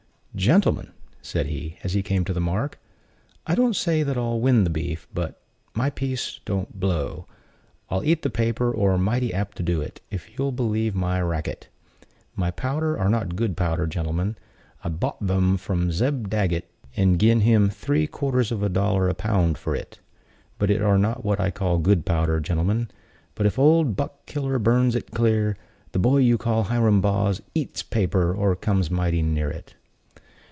"Gentlemen," said he, as he came to the mark, "I don't say that I'll win beef; but if my piece don't blow, I'll eat the paper, or be mighty apt to do it, if you'll b'lieve my racket. My powder are not good powder, gentlemen; I bought it thum (from) Zeb Daggett, and gin him three quarters of a dollar a pound for it; but it are not what I call good powder, gentlemen; but if old Buck killer burns it clear, the boy you call Hiram Baugh eat's paper, or comes mighty near it."